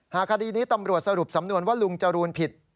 คดีนี้ตำรวจสรุปสำนวนว่าลุงจรูนผิด